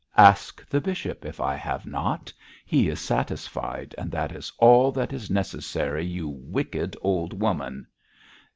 'Ask the bishop if I have not. He is satisfied, and that is all that is necessary, you wicked old woman.'